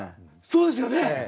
そうですよね。